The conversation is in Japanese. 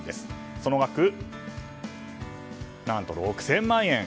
その額、何と６０００万円。